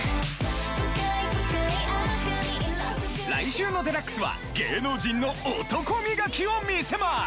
来週の『ＤＸ』は芸能人の男磨きを見せます！